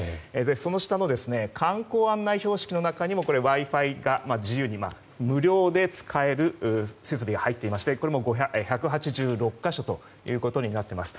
その下の観光案内標識の中にも自由に無料で使えるＷｉ‐Ｆｉの設備が入っていまして、これも１８６か所となっています。